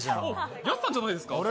ヤスさんじゃないですか。